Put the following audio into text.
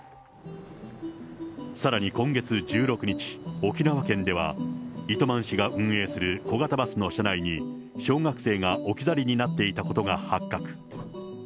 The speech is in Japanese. さらに今月１６日、沖縄県では、糸満市が運営する小型バスの車内に小学生が置き去りになっていたことが発覚。